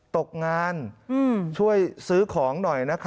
ตกงานช่วยซื้อของหน่อย